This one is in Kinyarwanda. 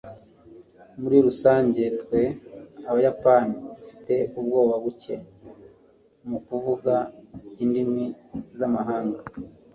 muri rusange, twe abayapani dufite ubwoba buke mukuvuga indimi zamahanga